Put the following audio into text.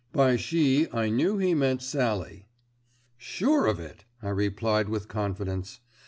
By "she" I knew he meant Sallie. "Sure of it," I replied with confidence.